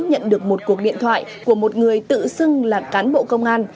nhận được một cuộc điện thoại của một người tự xưng là cán bộ công an